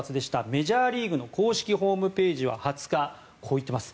メジャーリーグの公式ホームページは２０日こう言っています。